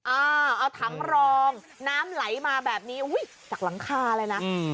อ่าเอาถังรองน้ำไหลมาแบบนี้อุ้ยจากหลังคาเลยนะ